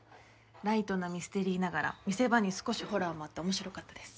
ライトなミステリーながら見せ場に少しホラーもあって面白かったです。